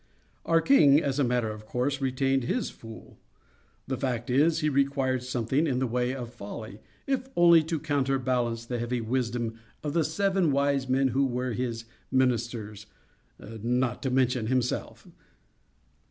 Our king, as a matter of course, retained his "fool." The fact is, he required something in the way of folly—if only to counterbalance the heavy wisdom of the seven wise men who were his ministers—not to mention himself.